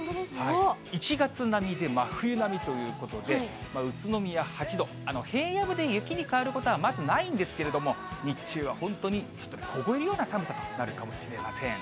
１月並みで真冬並みということで、宇都宮８度、平野部で雪に変わることはまずないんですけれども、日中は本当にちょっと、凍えるような寒さとなるかもしれません。